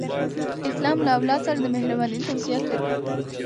اسلام له اولاد سره د مهرباني توصیه کوي.